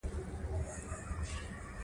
ته وا ځمکه په منځ دوه شوه، افغانی وطن ډوبیږی